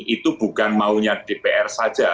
itu bukan maunya dpr saja